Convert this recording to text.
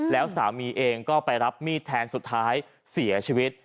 แล้วสามีเองก็ไปรับมีดแทนสุดท้ายเสียชีวิต